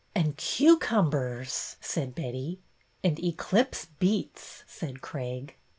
" And cucumbers," said Betty. " And Eclipse beets," said Craig.